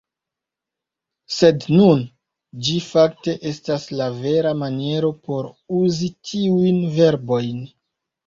Sed nun, ĝi fakte estas la vera maniero por uzi tiujn verbojn.